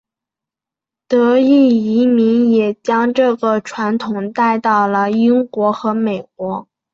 德裔移民也将这个传统带到了英国和美国。